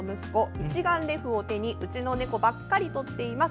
一眼レフを手にうちの猫ばかり撮っています。